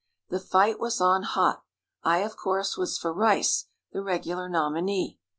The fight was on hot. I, of course, was for Rice, the regular nominee.